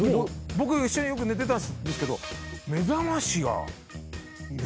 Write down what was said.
僕一緒によく寝てたけど。